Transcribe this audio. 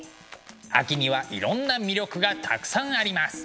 秋にはいろんな魅力がたくさんあります。